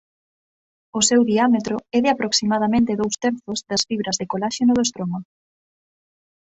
O seu diámetro é de aproximadamente dous terzos das fibras de coláxeno do estroma.